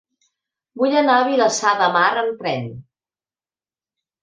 Vull anar a Vilassar de Mar amb tren.